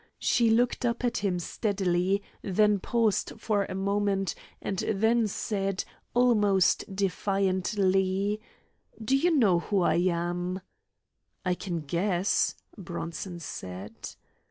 She looked up at him steadily, and paused for a moment, and then said, almost defiantly, "Do you know who I am?" "I can guess," Bronson said.